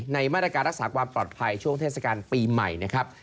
ในมาตรการรักษาความปลอดภัยช่วงเทศกาลปีใหม่นะครับ